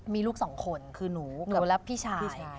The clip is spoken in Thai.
มีลูกสองคนคือหนูและพี่ชาย